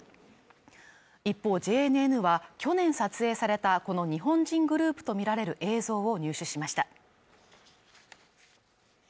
一方ＪＮＮは、去年撮影されたこの日本人グループとみられる映像を入手しました。